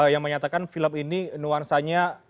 yang menyatakan film ini nuansanya